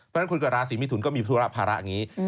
เพราะฉะนั้นคนเกิดราศีมิถุนก็มีธุระภาระอย่างนี้